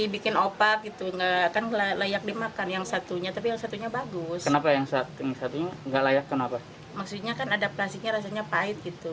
maksudnya kan ada plastiknya rasanya pahit gitu